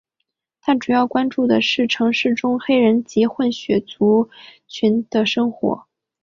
他主要关注的是城市中黑人及混血族群的生活。